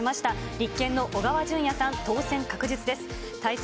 立憲の小川淳也さん、当選確実です。